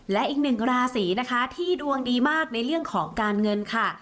และอีกหนึ่งราศีนะคะที่ดวงดีมากในเรื่องของการเงินค่ะ